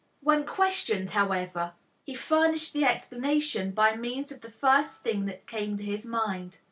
When questioned, however, he furnished the explanation by means of the first thing that came to his mind.